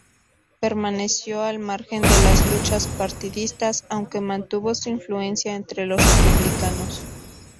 Permaneció al margen de las luchas partidistas, aunque mantuvo su influencia entre los republicanos.